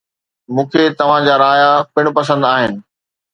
مون کي توهان جا رايا پڻ پسند آهن